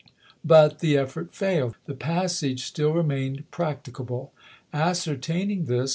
But the effort failed ; the passage still remained prac ticable. Ascertaining this.